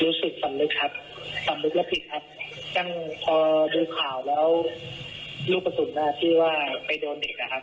รู้สึกสำนึกครับสำนึกแล้วผิดครับตั้งพอดูข่าวแล้วลูกกระสุนที่ว่าไปโดนเด็กนะครับ